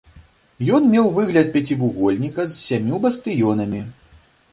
Ён меў выгляд пяцівугольніка з сямю бастыёнамі.